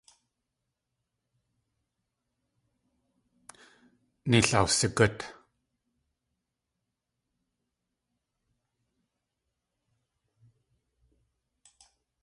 Neil awsigút.